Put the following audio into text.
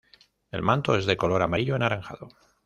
El manto es de color amarillo anaranjado.